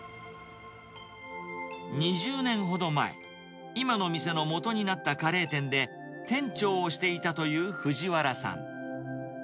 ２０年ほど前、今の店のもとになったカレー店で、店長をしていたという藤原さん。